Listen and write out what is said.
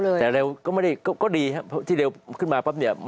แล้วก็เร็วก็ดีเพราะที่เร็วขึ้นมาปั๊บ